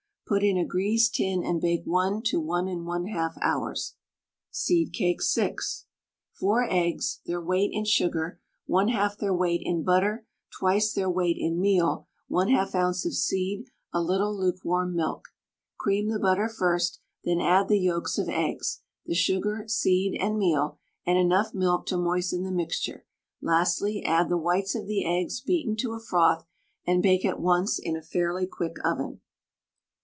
Put in a greased tin and bake 1 to 1 1/2 hours. SEED CAKE (6). 4 eggs, their weight in sugar, 1/2 their weight in butter, twice their weight in meal, 1/2 oz. of seed, a little lukewarm milk. Cream the butter first, then add the yolks of eggs, the sugar, seed, and meal, and enough milk to moisten the mixture; lastly, add the whites of the eggs beaten to a froth, and bake at once in a fairly quick oven.